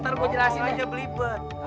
ntar gua jelasin aja beli belah